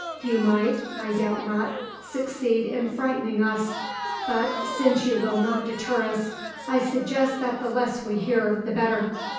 You might, I doubt not, succeed in frightening us; but since you will not deter us, I suggest that the less we hear the better."